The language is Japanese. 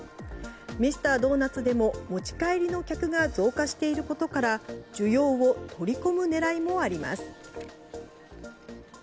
ミスタードーナツでも持ち帰りの客が増加していることから需要を取り込む狙いもあります。